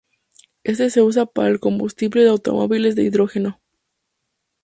Este se usa para el combustible de automóviles de hidrógeno.